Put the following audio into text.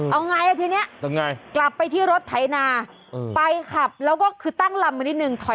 เอาไงอ่ะทีนี้กลับไปที่รถไถนาไปขับแล้วก็คือตั้งลำมานิดนึงถอย